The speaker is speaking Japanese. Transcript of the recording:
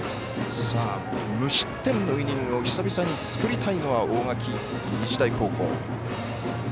無失点のイニングを久々に作りたいのは大垣日大高校。